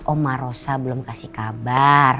oma rosa belum kasih kabar